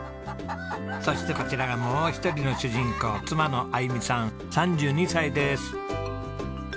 そしてこちらがもう一人の主人公妻のあゆみさん３２歳です。